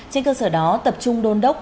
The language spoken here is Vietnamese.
trên cơ sở đó tập trung đôn đốc